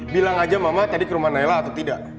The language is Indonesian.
bilang aja mama tadi ke rumah naila atau tidak